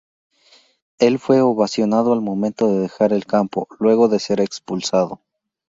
Él fue ovacionado al momento de dejar el campo, luego de ser expulsado.